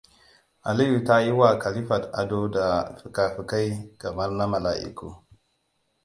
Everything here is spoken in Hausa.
Aliyu ta yi wa Khalifat ado da fikafikai kamar na mala'iku.